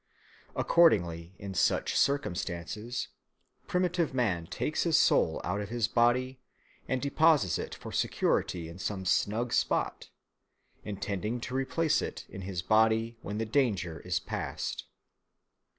Accordingly, in such circumstances, primitive man takes his soul out of his body and deposits it for security in some snug spot, intending to replace it in his body when the danger is past.